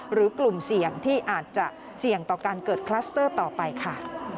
หรือกลุ่มเสี่ยงที่อาจจะเสี่ยงต่อการเกิดคลัสเตอร์ต่อไปค่ะ